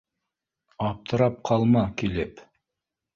Аптырап ҡалма, килеп